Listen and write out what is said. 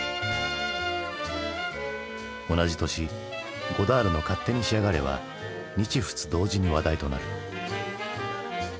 同じ年ゴダールの「勝手にしやがれ」は日仏同時に話題となる。